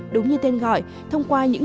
đúng như tên gọi thông qua những